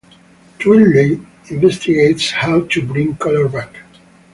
Twilight investigates how to bring color back.